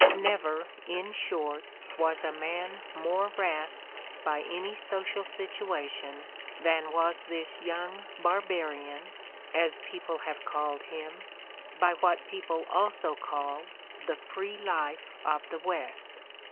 Never, in short, was a man more rasped by any social situation than was this young "barbarian," as people have called him, by what people also call the free life of the West.